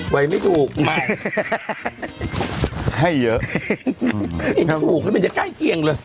ไว้ไม่ถูกไม่ให้เยอะเห็นถูกแล้วมันจะใกล้เคียงเลย